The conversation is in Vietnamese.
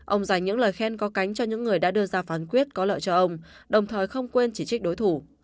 ông dành những lời khen có cánh cho những người đã đưa ra phán quyết có lợi cho ông đồng thời không quên chỉ trích đối thủ